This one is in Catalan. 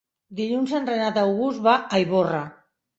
Dilluns en Renat August va a Ivorra.